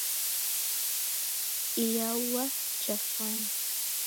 Iyaua jafwane.